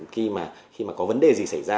khi mà có vấn đề gì xảy ra